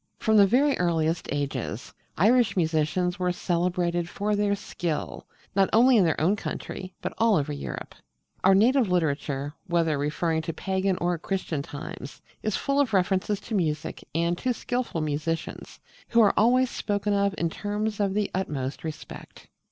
From the very earliest ages Irish musicians were celebrated for their skill, not only in their own country but all over Europe. Our native literature, whether referring to pagan or Christian times, is full of references to music and to skilful musicians, who are always spoken of in terms of the utmost respect.